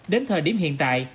đến thời điểm hiện tại